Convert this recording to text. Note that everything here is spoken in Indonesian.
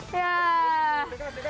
kau mau main apa